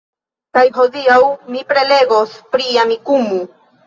Kaj hodiaŭ mi prelegos pri Amikumu!